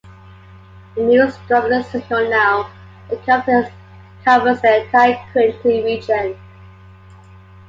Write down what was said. The new stronger signal now covers the entire Quinte region.